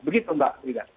begitu mbak sida